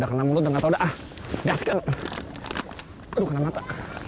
aduh kena mata